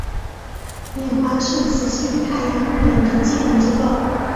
冕环是磁性太阳日冕的基本结构。